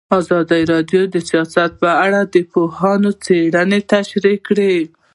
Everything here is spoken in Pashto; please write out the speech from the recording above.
ازادي راډیو د سیاست په اړه د پوهانو څېړنې تشریح کړې.